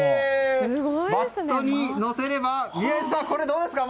バットにのせれば宮司さん、どうですか？